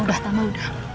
udah tama udah